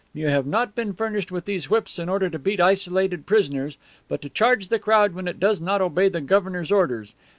You have not been furnished with these whips in order to beat isolated prisoners, but to charge the crowd when it does not obey the governor's orders.